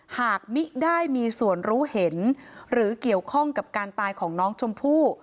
หากมิได้มีส่วนรู้เห็นหรือเกี่ยวข้องกับการตายของน้องชมพู่